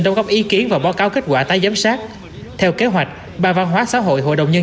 đồng góp ý kiến và báo cáo kết quả tái giám sát theo kế hoạch ba văn hóa xã hội hội đồng nhân